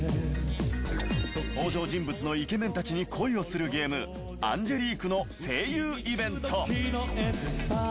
登場人物のイケメンたちに恋をするゲーム『アンジェリーク』の声優イベント。